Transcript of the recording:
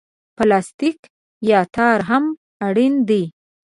پلاستیک یا تار هم اړین دي.